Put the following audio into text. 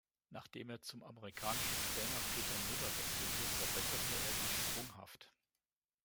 Nachdem er zum amerikanischen Trainer Peter Mueller wechselte, verbesserte er sich sprunghaft.